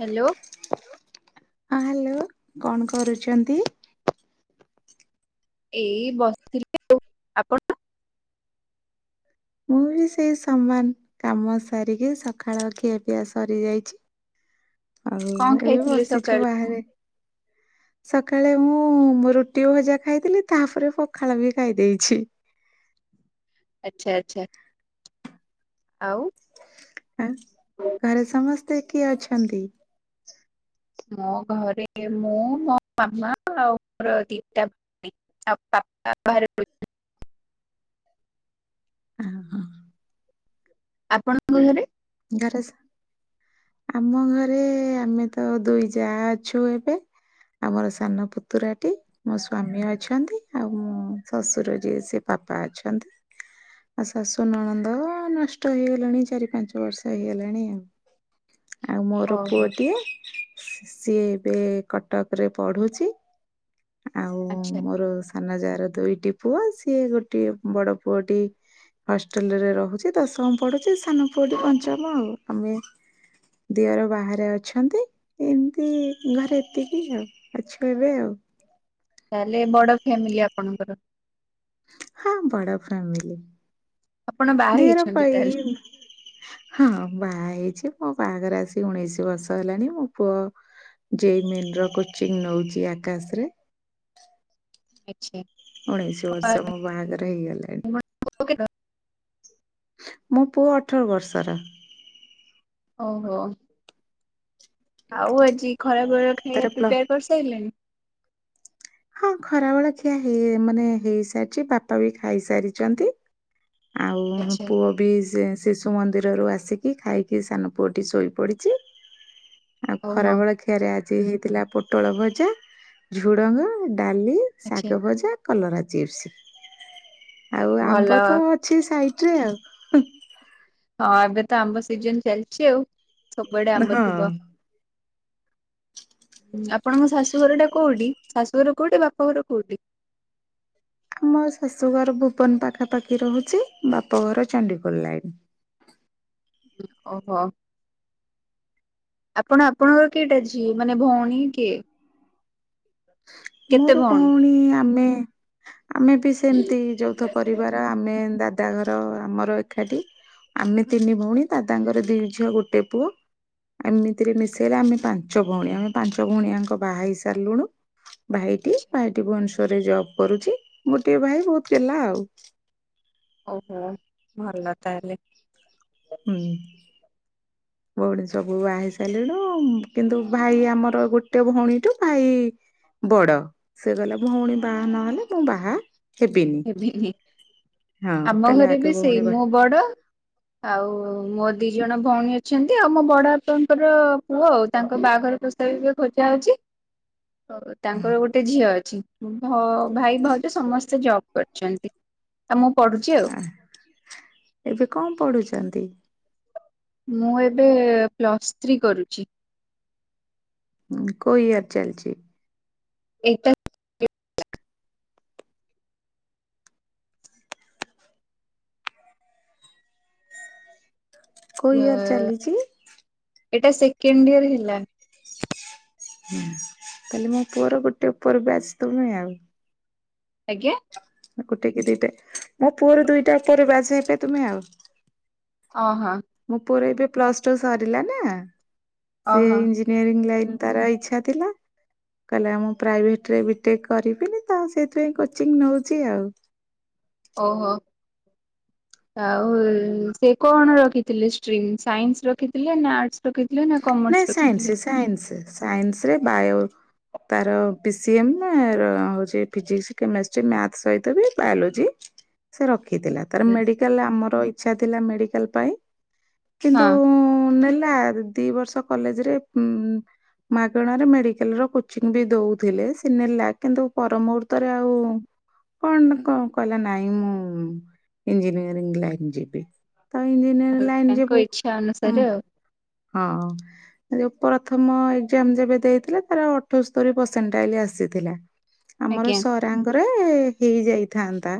Hello ହଁ hello କଣ କରୁଛନ୍ତି? ଏଇ ବସିଥିଲି ଆଉ ଆପଣ? ମୁଁ ବି ସେଇ ସମାନ କାମ ସାରିକି ସକାଳ ଖିଆପିଆ ସରିଯାଇଛି। ଆଉ କଣ ଏବେ ଖାଇଥିଲେ ବସିଛୁ ସକାଳେ ବାହାରେ। ସକାଳେ ମୁଁ ମୋ ରୁଟି ଭଜା ଖାଇଥିଲି ତାପରେ ପଖାଳ ବି ଖାଇଦେଇଛି। ଆଚ୍ଛା ଆଚ୍ଛା ଆଉ ଘରେ ସମସ୍ତେ କିଏ ଅଛନ୍ତି? ମୋ ଘରେ କିଏ ମୁଁ ମୋ ମାମା ଆଉ ମୋର ଦିଟା ଭାଇ ବାପା। [unintelligible] ହୁଁ ହୁଁ। ଆପଣଙ୍କ ଘରେ? ଘରେ ସବୁ ଆମ ଘରେ ଆମେ ତ ଦୁଇ ଯା ଅଛୁ ଏବେ। ଆଉ ମୋର ସାନ ପୁତୁରାଟି ମୋ ସ୍ଵାମୀ ଅଛନ୍ତି। ଆଉ ମୋ ଶଶୁର ଯିଏ ସେ ପା। ବାପା ଅଛନ୍ତି ଆଉ ଶାଶୁ ନଣନ୍ଦ ନଷ୍ଟ ହେଇଗଲେଣି ଚାରି ପାଞ୍ଚ ପାଞ୍ଚ ବର୍ଷ ହେଇଗଲାଣି ଆଉ। ଆଉ ମୋର ଓହୋ ପୁଅଟିଏ ସିଏ ଏବେ କଟକ ରେ ପଢୁଛି। ଆଉ ଆଚ୍ଛା ମୋର ସାନ ଯା ର ଦୁଇଟି ପୁଅ ସିଏ ଗୋଟଏ ବଡ ପୁଅଟି ହଷ୍ଟେଲ ରେ ର ଡୁଛି ଦଶମ ପଢୁଛି। ସାନ ପୁଅ ଟି ଆଉ ଆମେ ଦିଅର ବାହାରେ ଅଛନ୍ତି। ଏମିତି ରାତିକୁ ଅଛୁ ଏବେ ଆଉ। ତାହେଲେ ବଡ ଫ୍ୟାମିଲି ଆପଣଙ୍କର। ହଁ ବଡ଼ ଫ୍ୟ୲ମିଲି। ଆପଣ ବାହା ଦିଅର ହେଇଛନ୍ତି ତାହେଲେ ପାଇଁ ହଁ ବାହା ହେଇଚି। ମୋ ବାହାଘର ଆସିିକି ଉଣେଇଶି ବର୍ଷ ହେଲାଣି। ମୋ ପୁଅ ଯୋଇମିଲ୍ ର କୋଚିଂ ନଉଚି ଆକାଶରେ। ଆଚ୍ଛା। ଉଣେଇଶି ଆପଣ- ବର୍ଷ ମୋ ବାହାଘର ହେଇଗଲାଣି। ମୋ ପୁଅ ଅଠର ବର୍ଷର। ଓହୋ ଆଉ ଆଜି ଖରା ବେଳର ଖାଇବା ତାର ପ୍ଲ ପ୍ରିପେୟାର କରିସାରିଲେଣି? ହଁ ଖରାବେଳ ଖିଆ ହେ ମାନେ ହେଇସାରିଛି ବାପା ବି ଖାଇସାରିଚନ୍ତି। ଆଉ ଆଚ୍ଛା ପୁଅ ବି ସେ ଶିଶୁ ମନ୍ଦିରରୁ ଆସିକି ଖାଇକି ସାନ ପୁଅଟି ଶୋଇପଡ଼ିଚି। ଆଉ ଖରା ଓହୋ ବେଳ ଖିଆରେ ଆଜି ହେଇଥିଲା ପୋଟଳ ଭଜା ଝୁଡଙ୍ଗ ଡାଲି ଆଚ୍ଛା ଶାଗ ଭଜା କଲରା ଚିପ୍ସ। ଆଉ ଭଲ ଆମ୍ବ ତ ଅଛି ସାଇଟ ରେ ଆଉ ହୁଁ। ହଁ ଏବେ ତ ଆମ୍ବ ସିଜନ ଚାଲିଚି ଆଉ। ସବୁଆଡେ ଆମ୍ବ ହଁ। ଥିବ। ଆପଣଙ୍କ ଶାଶୁଘର ଟା କୋଉଟି। ଶାଶୁଘର କୋଉଠି ବାପା ଘର କୋଉଠି। ଆମ ଶାଶୁଘର ଭୁବନ ପାଖାପାଖି ରହୁଚି। ବାପଘର ଚଣ୍ଡିଖୋଲ ଲାଇନ। ଓହୋ। ଆପଣ ଆପଣଙ୍କର କେଇଟା ଝିଅ ମାନେ ଭଉଣୀ କିଏ? କେତେ ମୋର ଭଉଣୀ? କଉଣୀ ଆମେ ଆମେ ବି ସେମତି ଯୋଉଥ ପରିବାର। ଆମେ ଦାଦ ଦାଦା ଘର ଆମର ଏକାଠି ଆମେ ତିନି ଭଉଣୀ ଦାଦାଙ୍କର ଦି ଝିଅ ଗୋଟେ ପୁଅ। ଏମିତିରେ ମିଶେଇଲେ ଆମେ ପାଞ୍ଚ ଭଉଣୀ ଆମେ ପାଞ୍ଚ ଭଉଣୀଆଙ୍କ ବାହା ହେଇ ସାରିଲୁଣୁ। ଭାଇଟି ଭାଇଟି ଭୁବନେଶ୍ଵର ରେ ଜବ୍ କରୁଚି। ଗୋଟିଏ ଭାଇ ବହୁତ ଗେଲା ଆଉ। ଓହୋ ଭଲ ତାହେଲେ? ହୁଁ। ଭଉଣୀ ସବୁ ବାହା ହେଇସାରିଲୁଣୁ। କିନ୍ତୁ ଭାଇ ଆମର ଗୋଟେ ଭଉଣୀଠୁ ଭାଇ ବଡ ସେ କହିଲ ଭ ଭଉଣୀ ବାହା ନହେଲେ। ମୁଁ ବାହା ହେବିନି ହଁ ଆମ କହିଲେ ଘରେ ଆଗେ ବି ସେଇ ଭଉଣୀ ମୁଁ ବାହା ବଡ ଆଉ ମୋ ଦି ଜଣ ଭଉଣୀ ଅଛନ୍ତି। ଆଉ ମୋ ବଡ ବାପାଙ୍କର ପୁଅ ଆଉ ତାଙ୍କ ବାହାଘର ପ ବ ଖୋଜା ହୋଉଚିା ଓ ତାଙ୍କର ଗୋଟେ ଝିଅ ଅଛି। ଭ ଭାଇ ଭାଉଜ ସମସ୍ତେ ଜବ କରିଛନ୍ତି ଆମୁ ଉଁ ଏବେ କଣ ପଢୁଚନ୍ତି। ମୁଁ ଏବେ ପ୍ଲସ୍ ଥ୍ରୀ କରୁଚି। ହୁଁ କୋଉ ଇୟର ଚାଲଚି। ଏଇପା [unintelligible] କଉ ଅ ଇଅର ଚାଲିଚି। ଏଇଟା ସେକେଣ୍ଡ ଇୟର ହେଲା। ହୁଁ ତାହେଲେ ମୋ ପୁଅର ଗୋଟେ ଉପର ବ୍ୟାଚ ତୁମେ ଆଉ। ଆଜ୍ଞା? ଗୋଟେ କି ଦିଟା ମୋ ପୁଅର ଦୁଇଟା ଉପର ବ୍ୟାଚ ହେଇଥିବ ତୁମେ ଆଉ। ଅହୋ ମୋ ପୁଅର ଏବେ ପ୍ଲସ ଟୁ ସରିଲା ନା ସିଏ ଅହୋ ଇଞ୍ଜିନିୟରିଂ ଲାଇନ୍ ତାର ଇଚ୍ଛା ଥିଲା। କହିଲା ମୁଁ ପ୍ରାଇଭେଟରେ ବି ଟେକ୍ କରିବିନି ତ ସେଇଥିପାଇଁ କୋଚିଂ ନଉଛି ଆଉ। ଓହୋ। ଆଉ ସିଏ କଣ ରଖିଥିଲେ ଷ୍ଟ୍ରିମ୍ ସାଇନ୍ସ ରଖିଥିଲେ ନା ଆର୍ଟସ? ନାଇଁ ସାଇନ୍ସ ସାଇନ୍ସ ସାଇନ୍ସରେ ବାୟୋ ତାର ପି ସି ଏମ ନା ର ହଉଛି ଫିଜିକ୍ସ, କେମେଷ୍ଟ୍ରି, ମ୍ୟାଥ ସହିତ ବି ବାୟୋଲୋଜି ସେ ରଖିଥିଲା। ତାର ମେଡିକାଲ ଆମର ଇଚ୍ଛା ଥିଲା ମେଡିକାଲ ପାଇଁ କିନ୍ତୁ ହଁ ନେଲା ଦି ବର୍ଷ କଲେଜରେ ଉମ୍ ମାଗଣାରେ ମେଡିକାଲ ର କୋଚିଂ ବି ଦଉଥିଲେ ସେ ନେଲା କିନ୍ତୁ ପର ମୁହୂର୍ତ୍ତରେ ଆଉ କଣ କ କଇଲା ନାଇଁ ମୁଁ ଏଞଜିନିୟରିଂ ଲାଇନ ଯିବି। ତ ଇଂଜିନିୟରିଂ ଲାଇନ ତାଙ୍କ ଯିବୁ ଇଚ୍ଛା ଅନୁସାରେ ଉମ୍ ଆଉ ହଁ ଯୋଉ ପ୍ରଥମ ଏକ୍ଜାମ ଯେବେ ଦେଇଥିଲେ ତାର ଅଠସ୍ତରୀ ପରସେଣ୍ଟ ଆଇଲି ଆସି ଆସିଥିଲା। ଆମର ଆଜ୍ଞା ସରାଙ୍ଗରେ ହେଇ ଯାଇଥାନ୍ତା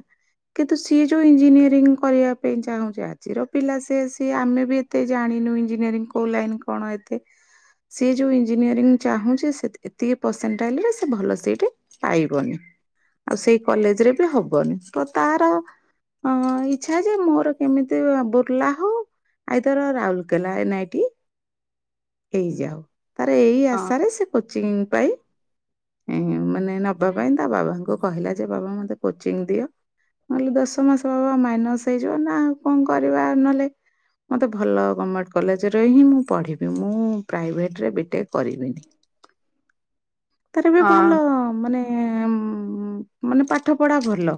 କିନ୍ତୁ ସିଏ ଯୋଉ ଇଞ୍ଜିନିୟରିଂ କରିବା ପାଇଁ ଚାହୁଁଛି ଆଜିର ପିଲା ସିଏ ସିଏ ଆମେ ବି ଏତେ ଜାଣି ନୁ ଇଞ୍ଜିନୟରିଙ୍ଗ୍ କୋଉ ଲାଇନ କଣ ଏତେ ସେ ଯୋଉ ଇଞ୍ଜିନୟରିଙ୍ଗ୍ ଚାହୁଁଛି ସେତି ଏତିକି ପର୍ସେଣ୍ଟ ହେଲେ ସେ ଭଲ ସେଇଠି ପାଇବନି। ଆଉ ସେଇ କଲେଜରେ ବି ହବନି। ତ ତାର ହଁ ଇଚ୍ଛା ଯେ ମୋର କେମିତି ବୁର୍ଲା ହଉ ଆଇଦର୍ ରାଉଲକେଲା ଏନ୍ ଆଇ ହେଇଯାଉ। ତାର ଏଇ ହଁ ଆଶାରେ ସେ କୋଚିଂ ପାଇଁ ମାନେ ନବା ପାଇଁ ତା ବାବାଙ୍କୁ କହିଲା ଯେ ବାବା ମତେ କୋଚିଂ ଦିଅ। ନହେଲେ ଦଶ ମାସ ବାବା ମାଇନସ ହେଇଯିବ ନା ଆଉ କଣ କରିବା ନହେଲେ ମତେ ଭଲ ଗମେଣ୍ଟ କଲେଜରେ ହିଁ ମୁଁ ପଢିବି। ମୁଁ ପ୍ରାଇଭେଟରେ ବିଟେକ୍ କରିବିନି। ତାର ବି ଭଲ ହଁ ମାନେ ମାନେ ପାଠ ପଢା ଭଲ।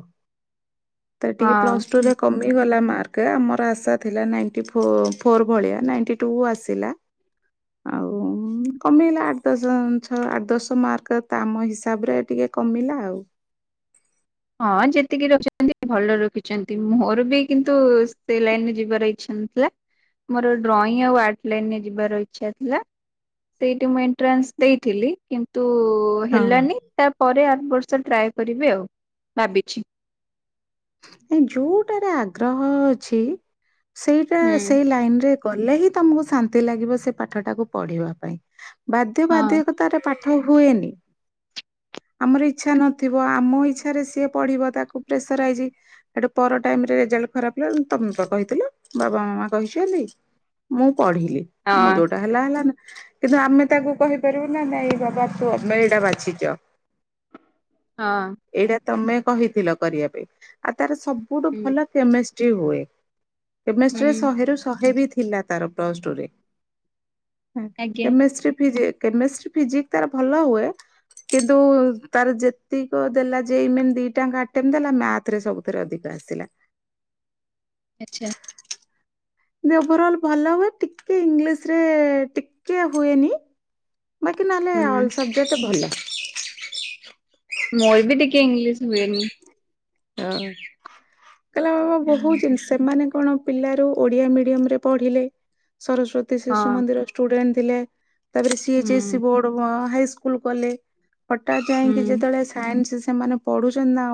ତ ଟିକେ ପ୍ଲସ ଟୁ ହଁ ରେ କମିଗଲା ମାର୍କ ଟା ଆମର ଆଶା ଥିଲା ନାଇଣ୍ଟି ଫୋ ଫୋର ଭଳିଆ ନାଇଣ୍ଟି ଟୁ ଆସିଲା। ଆଉ କମେଇଲା ଆଠ ଦଶ ଛଅ ଆଠ ଦଶ ମାର୍କ ତ ଆମ ହିସାବରେ ଟିକେ କମି ଲା ଆଉ। ହଁ ଯେତିକି ରଖିଛନ୍ତି ଭଲ ରଖିଛନ୍ତି ମୋର ବି କିନ୍ତୁ ସେ ଲାଇନରେ ଯିବାର ଇଚ୍ଛା ନଥିଲା। ମୋର ଡ୍ରଇଂ ଆଉ ଆର୍ଟ ଲାଇନ ଯିବାର ଇଚ୍ଛା ଥିଲା। ସେଇଠି ମୁଁ ଏଣ୍ଟ୍ରାନ୍ସ ଦେଇଥିଲି କିନ୍ତୁ ହଁ ହେଲାନି ତା ପରେ ଆର ବର୍ଷ ଟ୍ରାଏ କରିବି ଆଉ ଭାବିଛି। ଯୋଉଟାରେ ଆଗ୍ରହ ଅଛି ସେଇଟା ହୁଁ ସେଇ ଲାଇନରେ ଗଲେ ହିଁ ତମକୁ ଶାନ୍ତି ଲାଗିବ ସେ ପାଠ ଟାକୁ ପଢିବା ପାଇଁ। ବାଧ୍ୟ ହଁ ବାଧକତାରେ ରେ ପାଠ ହୁଏନି। ଆମର ଇଚ୍ଛା ନଥିବ ଆମ ଇଚ୍ଛାରେ ସିଏ ପଢିବ ତାକୁ ପ୍ରେସରାଇଜି ଏଠୁ ପର ଟାଇମ ରେ ରେଜଲ୍ଟ ଖରାପ ହେଲେ ତମେ ବା କହିଥିଲ ବାବା ମାମା କହିଛନ୍ତି ମୁଁ ପଢିଲି ମୁଁ ହଁ ଯୋଉଟା ହେଲା ହେଲାନା କିନ୍ତୁ ଆମେ ତାକୁ କହିପାରିବୁ ନା ନାଇଁ ବାବା ତମେ ଏଟା ବାଛିଚ। ହଁ। ତମେ କହିଥିଲ କରିବା ପାଇଁ ଆଉ ତାର ସବୁଠୁ ହୁଁ ଭଲ କେମିଷ୍ଟ୍ରି ହୁଏ। କେମେଷ୍ଟ୍ରି ରେ ହୁଁ ଶହେରୁ ଶହେ ବି ଥିଲା ତାର ପ୍ଲସ ଟୁ ରେ। ଆଜ୍ଞା କେମେଷ୍ଟ୍ରି ଫିଜି କେମେଷ୍ଟ୍ରି ଫିଜିକ୍ସ ତାର ଭଲ ହୁଏ କିନ୍ତୁ ତାର ଯେତିକ ଦେଲା ଯେ ଯେ ଇ ମେନ୍ ଦିଟାଙ୍କ ଆଟେମ୍ ଦେଲା ମ୍ୟାଥ ଥିରେ ସବୁଥିରେ ଅଧିକ ଆସିଥିଲା। ଆଚ୍ଛା। ଓଭରଅଲ୍ ଭଲ ହୁଏ, ଟିକେ ଇଂଲିଶ୍ ରେ ଟିକେ ହୁଏନି। ବାକି ନହେଲେ ହୁଁ ଅଲ୍ ସବଜେକ୍ଟ ଭଲ। ମୋର ବି ଟିକେ ଇଂଲିଶ ହୁଏନି। ହଁ କହିଲା, ବାବା ବହୁତ ହୁଁ ଜିନିଷ ସେମାନେ କଣ। ପିଲା ରୁ ଓଡିଆ ମିଡିୟମରେ ପଢିଲେ ସରସ୍ଵତୀ ଶିଶୁ ହଁ ମନ୍ଦିର ଷ୍ଟୁଡେଣ୍ଟ ଥିଲେ। ତାପରେ ସିଏଚ ଏସ୍ ସି ହୁଁ ବୋର୍ଡ କଣ ହାଇସ୍କୁଲ କଲେ, ହଠାତ୍ ଯାଇକି ହୁଁ ଯେତେବେଳେ ସାଇନ୍ସ। ସେମାନେ ପଢୁଛନ୍ତି ନା।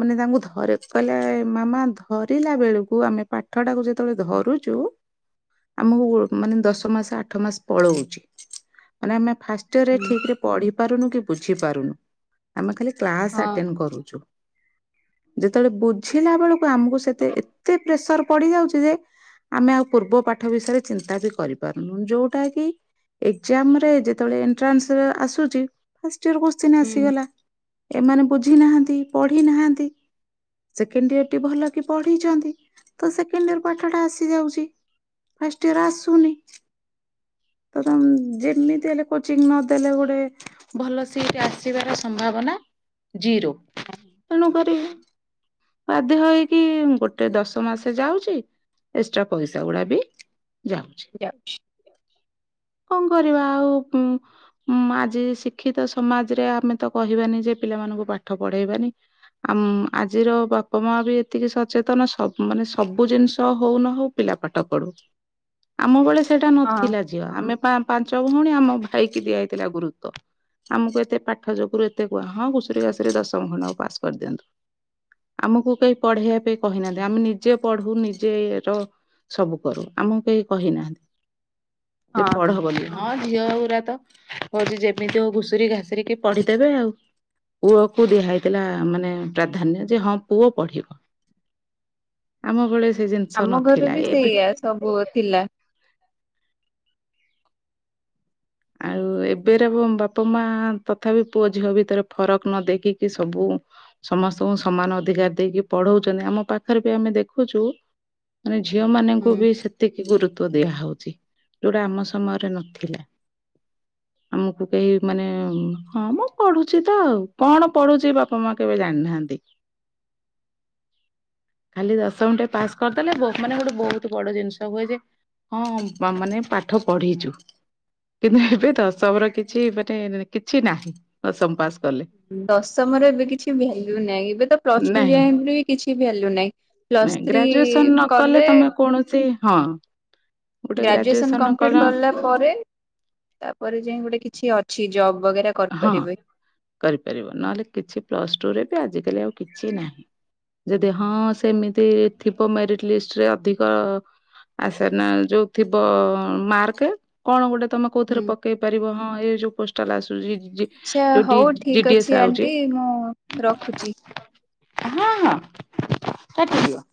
ମାନେ ତାଙ୍କୁ ଧରେ କହିଲେ ମାମା ଧରିଲା ବେଳକୁ ଆମେ ପାଠ ଟାକୁ ଯେତେବେଳେ ଧରୁଛୁ। ଆମକୁ ମାନେ ଦଶ ମାସ ଆଠ ମାସ ପଳଉଛି, ମାନେ ଆମେ। ଫାଷ୍ଟ ଇୟର୍ ହୁଁ ଠିକ ରେ ପଢି ପାରୁନୁ କି ବୁଝି ପାରୁନୁ ଆମେ ଖାଲି କ୍ଲାସ୍ ହଁ ଆଟେଣ୍ଡ କରୁଛୁ। ଯେତେବେଳେ ବୁଝିଲା ବେଳକୁ ଆମକୁ ସେତେ ଏତେ ପ୍ରେସର ପଡି ଯାଉଛି ଯେ ଆମେ ଆଉ ପୂର୍ବ ପାଠ ବିଷୟରେ ଚିନ୍ତା ବି କରିପାରୁନୁ ଯୋଉଟା କି ଏକ୍ସାମ୍ ରେ ଯେତେବେଳେ ଏଣ୍ଟ୍ରାନ୍ସ ଆସୁଛି ଫାଷ୍ଟ ଇୟର୍ କୋତ୍ସିନ ହୁଁ। ଆସିଗଲା, ଏମାନେ ବୁଝି ନାହାନ୍ତି, ପଢି ନାହାନ୍ତି। ସେକେଣ୍ଡ ଇୟର୍ ଟି ଭଲକି ପଡ଼ିଛନ୍ତି, ତ ସେକେଣ୍ଡ ଇୟର୍ ର ପାଠ ଟା ଆସିଯାଉଛି। ଫାଷ୍ଟଇୟର୍ ର ଆସୁନି, ତର ଯେମିତି ହେଲେ। କୋଚିଂ ନଦଲେ ଗୋଟେ ଭଲ ସିଟ ଆସିବାର ସମ୍ଭାବନା ଜିରୋ, ତେଣୁ କ ହୁଁ [inaudible] ବାଧ୍ୟ ହେଇକି ଗୋଟେ ଦଶ ମାସ ଯାଉଛି, ଏକ୍ସଟ୍ରା ପଇସା ଗୁଡା ବି ଯାଉଛି ଯାଉଚି। [inaudible] କଣ କରିବା ଆଉ ଆଜି ଶିକ୍ଷିତ ସମାଜରେ ଆମେ ତ କହିବାନି ଯେ ପିଲାମାନେ ମାନଙ୍କୁ ପାଠ ପଢ଼େଇବାନି। ଆମ ଆଜିର ବାପା ମା ବି ଏତିକି ସଚେତନ ମାନେ ସବୁ ଜିନିଷ ହଉ ନ ହଉ ପିଲା ପାଠ ପଢୁ, ଆମ ବେଳେ ସେଇଟା ହଁ ନଥିଲା ଝିଅ, ଆମେ ପାଞ୍ଚ ଭଉଣୀ ଆମ ଭାଇ କିି ଦିଆ ହୋଇଥିଲା ଗୁରୁତ୍ୱ ଆମକୁ ଏତେ ପାଠ ଯୋଗୁରୁ ଏତେ କୁହା ହଁ ଘୁସୁରି ଘାସୁରି ଦଶମ ଖଣ୍ଡକୁ ପାସ୍ କରିଦିଅନ୍ତୁ। ଆମକୁ କେହି ପଢେଇବା ପାଇଁ କହିନାହାନ୍ତି ଆମେ ନିଜେ ପଢୁ ନିଜେ ର ସବୁ କରୁ ଆମକୁ କେହି କହିନାହାନ୍ତି ଯେ ହଁ ପଢ ବୋଲି, ହଁ ଝିଅ ପୁରା ତ ହଉଛି ଯେମିତି ହଉ ଘୁସୁରି ଘାସରିକି ପଢିଦେବେ ଆଉ ପୁଅ କୁ ଦିଆ ହେଇଥିଲା। ମାନେ ପ୍ରାଧାନ୍ୟ ଯେ -ହଁ ପୁଅ ପଢିବ ଆମ ବେଳେ ସେ ଜିନିଷ ଆମ ଘରେ ନଥିଲା ବି ଏବେ ସେଇଆ ସବୁ ଥିଲା ଆଉ ଏବେର ବାପା ମା ତଥାପି ପୁଅ ଝିଅ ଭିତରେ ଫରକ ନ ଦେଖିକି ସବୁ ସମା ସମସ୍ତଙ୍କୁ ସମାନ ଅଧିକାର ଦେଇକି ପଢଉଛନ୍ତି ଆମ ପାଖରେ ବି ଆମେ ଦେଖୁଛୁ ମାନେ ଝିଅ ମାନଙ୍କୁ ହୁଁ। ବି ସେତିକି ଗୁରୁତ୍ୱ ଦିଆ ହଉଛି ଯୋଉଟା ଆମ ସମୟରେ ନଥିଲା। [inaudible] ଆମକୁ କେହି ମାନେ, ହଁ ମ ପଢୁଛି ତ ଆଉ, କଣ ପଢୁଛି ବାପା ମା କେବେ ଜାଣିନାହାନ୍ତି। ନାହାନ୍ତି। ଖାଲି ଦଶମ ଟେ ପାସ୍ କରିଦେଲେ ବହୁ, ମାନେ ଗୋଟେ ବହୁତ ବଡ ଜିନିଷ ହୁଏ ଯେ ହଁ ମାନେ ପାଠ ପଢିଛୁ। କିନ୍ତୁ ଏବେ ତ ଦଶମ ର କିଛି ମାନେ କିଛି ନାହିଁ ଦଶମ ପାସ୍। କଲେ ଦଶମର ଏବେ କିଛି ଭାଲ୍ଯୁ ନାହିଁ, ଏବେ ତ ପ୍ଲସ ଟୁ ଯାଏ କିଛି ଭାଲ୍ୟୁ ନାହିଁ। ପ୍ଲସ୍ ନାଇ ଥ୍ରୀ ଗ୍ରାଜୁଏସନ ନ କଲେ, ତମେ କୌଣସି ହଁ ଗୋଟେ ଗ୍ରାଜୁଏସନ କଲ କମ୍ପ୍ଲିଟ କଲା ପରେ, ତାପରେ ଯାଏଁ ଗୋଟେ କିଛି ଅଛି -ଜବ ହଁ କରିପାରିବ ନହେଲେ କିଛି ପ୍ଲସ୍ ଟୁରେ ବି ଆଜିକାଲି ଆଉ କିଛି ନାହିଁ ଯଦି ହଁ ସେମିତି ଥିବ ମେରିଟ ଲିଷ୍ଟରେ ଅଧିକ। ଆ ସେନା ଯୋଉ ଥିବ ମାର୍କ କଣ ଗୋଟେ ତମେ କଉଥିରେ ହୁଁ। ପକେଇ ପାରିବ ହଁ ଏ ଯୋଉ ପୋଷ୍ଟାଲ ଆସୁଛି। ଆଚ୍ଛା ଯୋଉ ହଉ ଜି ଠିକ୍ ଡିଏସ୍ ଅଛି ଆଉଛି। ଆଣ୍ଟି ମୁଁ ରଖୁଛି। ହଁ ହଁ କାଟିଦିଅ